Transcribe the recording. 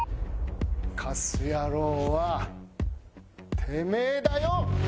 カス野郎はてめえだよ。